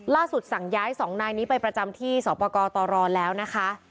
ล่าสุดสั่งย้ายสองนายนี้ไปประจำที่สอบประกอตรแล้วนะคะ